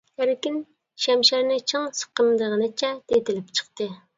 ئەركىن شەمشەرنى چىڭ سىقىمدىغىنىچە ئېتىلىپ چىقتى.